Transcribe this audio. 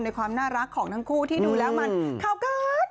ความน่ารักของทั้งคู่ที่ดูแล้วมันเข้ากัน